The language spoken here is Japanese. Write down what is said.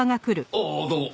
ああどうも。